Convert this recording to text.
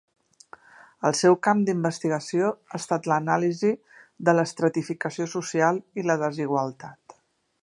El seu camp d'investigació ha estat l'anàlisi de l'estratificació social i la desigualtat.